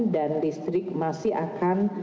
dan listrik masih akan